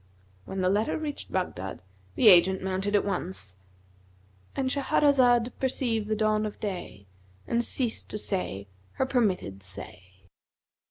When the letter reached Baghdad, the agent mounted at once,—And Shahrazad perceived the dawn of day and ceased to say her permitted say.